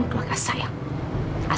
setelah semua yang terjadi